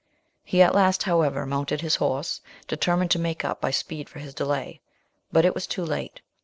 He at last, however, mounted his horse, determined to make up by speed for his delay: but it was too late.